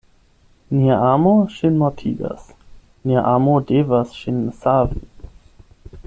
Nia amo ŝin mortigas: nia amo devas ŝin savi.